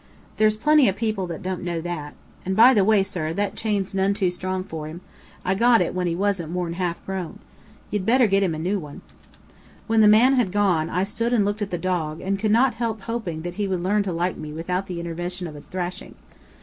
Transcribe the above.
There's plenty of people that don't know that. And, by the way, sir, that chain's none too strong for 'im. I got it when he wasn't mor'n half grown. Ye'd bether git him a new one." When the man had gone, I stood and looked at the dog, and could not help hoping that he would learn to like me without the intervention of a thrashing.